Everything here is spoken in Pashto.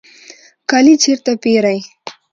کالی چیرته پیرئ؟